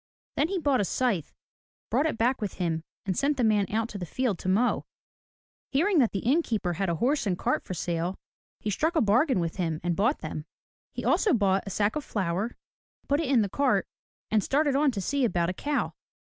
Then he bought a scythe, brought it back with him and sent the man out to the field to mow. Hearing that the inn keeper had a horse and cart for sale, he struck a bargain with him and bought them. He bought also a sack of flour, put it in the cart and started on to see about a cow.